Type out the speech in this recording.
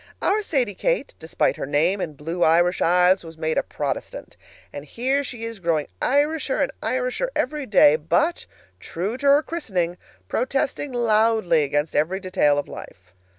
Our Sadie Kate, despite her name and blue Irish eyes, was made a Protestant. And here she is growing Irisher and Irisher every day, but, true to her christening, protesting loudly against every detail of life.